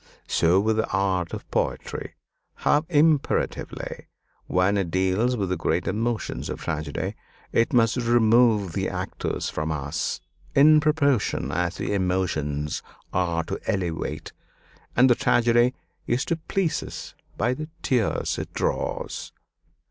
So with the art of poetry: how imperatively, when it deals with the great emotions of tragedy, it must remove the actors from us, in proportion as the emotions are to elevate, and the tragedy is to please us by the tears it draws!